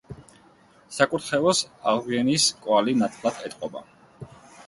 საკურთხეველს აღდგენის კვალი ნათლად ეტყობა.